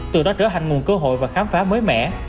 từ đó trở thành nguồn cơ hội và khám phá mới mẻ